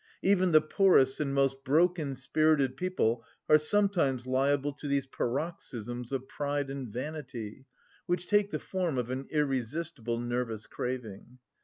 Even the poorest and most broken spirited people are sometimes liable to these paroxysms of pride and vanity which take the form of an irresistible nervous craving.